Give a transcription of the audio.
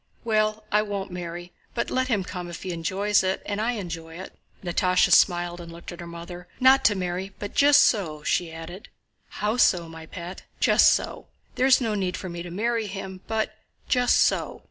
"Well, I won't marry, but let him come if he enjoys it and I enjoy it." Natásha smiled and looked at her mother. "Not to marry, but just so," she added. "How so, my pet?" "Just so. There's no need for me to marry him. But... just so."